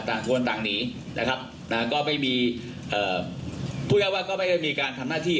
ต่างคนต่างหนีนะครับนะก็ไม่มีเอ่อพูดง่ายว่าก็ไม่ได้มีการทำหน้าที่